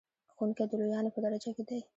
ښوونکی د لویانو په درجه کې دی.